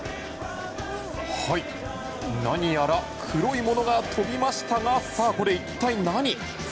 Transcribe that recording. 何やら、黒いものが跳びましたがさあ、これは一体何？